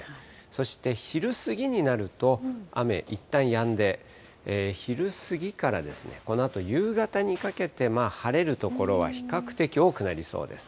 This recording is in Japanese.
そして、昼過ぎになると雨、いったんやんで、昼過ぎからこのあと夕方にかけて晴れる所は比較的多くなりそうです。